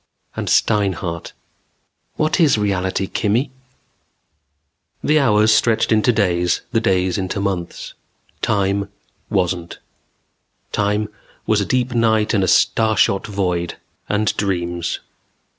And Steinhart: "What is reality, Kimmy?" The hours stretched into days, the days into months. Time wasn't. Time was a deep night and a starshot void. And dreams.